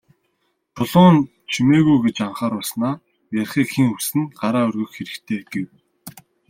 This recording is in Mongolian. Чулуун «Чимээгүй» гэж анхааруулснаа "Ярихыг хэн хүснэ, гараа өргөх хэрэгтэй" гэв.